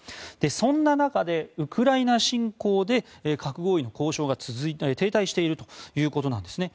そんな中で、ウクライナ侵攻で核合意の交渉が停滞しているということなんですね。